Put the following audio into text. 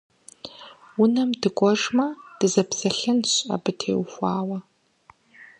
Унэм дыкӏуэжмэ, дызэпсэлъэнщ абы теухуауэ.